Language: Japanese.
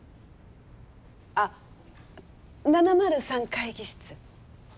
あっ７０３会議室。